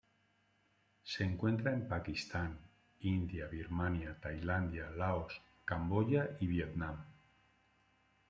Se encuentra en Pakistán, India Birmania, Tailandia, Laos, Camboya y Vietnam.